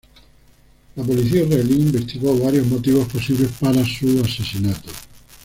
La policía israelí investigó varios motivos posibles para su asesinato.